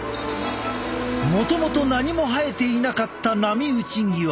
もともと何も生えていなかった波打ち際。